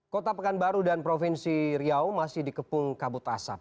kota pekanbaru dan provinsi riau masih dikepung kabut asap